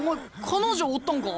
彼女おったんか？